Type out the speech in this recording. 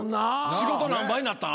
仕事何倍になったん？